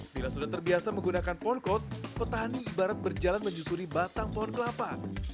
bila sudah terbiasa menggunakan porncode petani ibarat berjalan menyusuri batang pohon kelapa